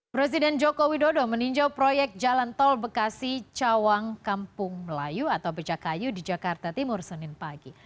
presiden joko widodo meninjau proyek jalan tol bekasi cawang kampung melayu atau becakayu di jakarta timur senin pagi